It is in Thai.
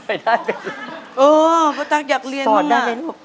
เออเพราะฉันอยากเรียนมาย่ะสอนได้ไหมลูก